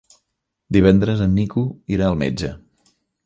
Divendres en Nico irà al metge.